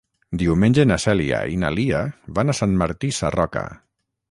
Diumenge na Cèlia i na Lia van a Sant Martí Sarroca.